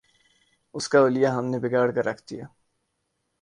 اس کا حلیہ ہم نے بگاڑ کے رکھ دیا۔